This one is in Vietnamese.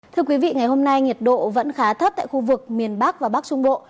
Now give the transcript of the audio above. thưa quý vị ngày hôm nay nhiệt độ vẫn khá thấp tại khu vực miền bắc và bắc trung bộ